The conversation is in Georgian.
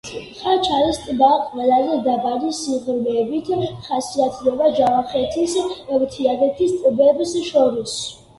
ხანჩალის ტბა ყველაზე დაბალი სიღრმეებით ხასიათდება ჯავახეთის მთიანეთის ტბებს შორის.